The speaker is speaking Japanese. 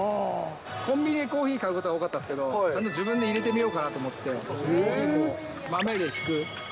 コンビニでコーヒー買うことが多かったんですけど、自分でいれてみようかなと思って、豆でひく。